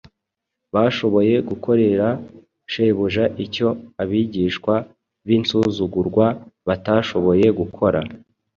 Bashoboye gukorera Shebuja icyo abigishwa b’insuzugurwa batashoboye gukora;